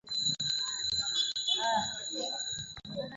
পাগলের প্রলাপ মাত্র!